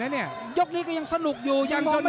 หรือว่าผู้สุดท้ายมีสิงคลอยวิทยาหมูสะพานใหม่